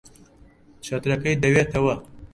چەترەکەی دەوێتەوە.